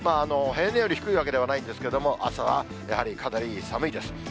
平年より低いわけではないんですけれども、朝はかなり寒いです。